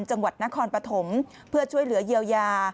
จังหวัดนครปฐมเพื่อช่วยเหลือเยียวยา